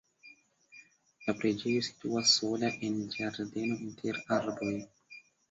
La preĝejo situas sola en ĝardeno inter arboj.